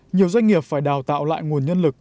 nhiều doanh nghiệp phải đào tạo lại nguồn nhân lực